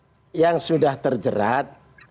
baik yang sudah terjerat